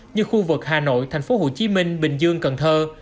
như khu vực hà nội thành phố hồ chí minh bình dương cần thơ